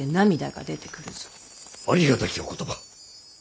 ありがたきお言葉。